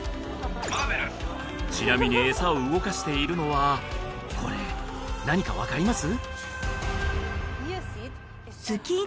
ちなみにエサを動かしているのはこれ何か分かります？